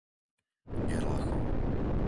Gerlachov